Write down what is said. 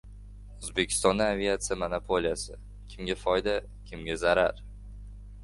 O‘zbekistonda aviatsiya monopoliyasi: kimga foyda, kimga zarar?